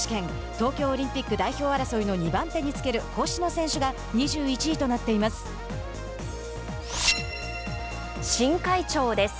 東京オリンピック代表争いの２番手につける星野選手が新会長です。